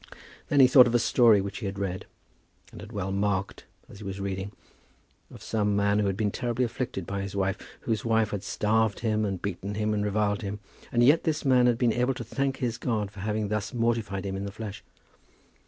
Then he thought of a story which he had read, and had well marked as he was reading, of some man who had been terribly afflicted by his wife, whose wife had starved him and beaten him and reviled him; and yet this man had been able to thank his God for having thus mortified him in the flesh.